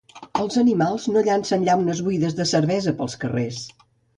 Els animals no llancen llaunes buides de cervesa pels carrers